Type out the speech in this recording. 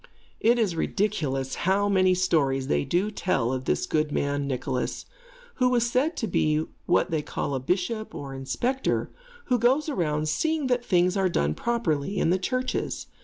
It is ridiculous how many stories they do tell of this good man, Nicholas, who was said to be what they call a bishop, or inspector, who goes around seeing that things are done properly in the churches.